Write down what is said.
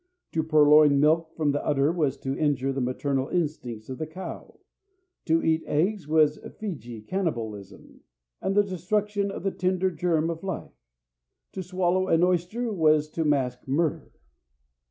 To purloin milk from the udder was to injure the maternal instincts of the cow; to eat eggs was Feejee cannibalism, and the destruction of the tender germ of life; to swallow an oyster was to mask murder.